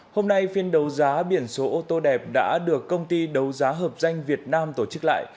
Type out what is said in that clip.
hôm nay phiên đấu giá biển số ô tô đẹp đã được công ty đấu giá hợp danh việt nam tổ chức lại